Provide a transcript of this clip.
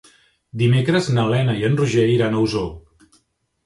Dimecres na Lena i en Roger iran a Osor.